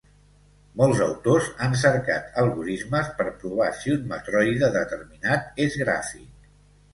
Molts autors han cercat algorismes per provar si un matroide determinat és gràfic.